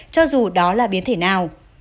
cho dù đó là biến thể nào